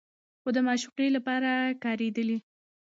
خو د معشوقې لپاره کارېدلي